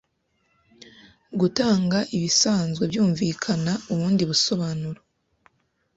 gutanga ibisanzwe-byumvikana ubundi busobanuro.